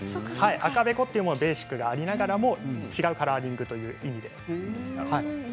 赤べこというベーシックな言い方でありながら違うカラーリングという意味で。